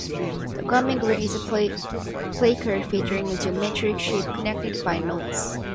The Garment Grid is a placard featuring a geometric shape connected by nodes.